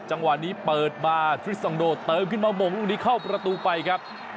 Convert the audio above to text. จังหวะนี้เปิดมาทริสซองโดเติมขึ้นมามงลูกนี้เข้าประตูไปครับ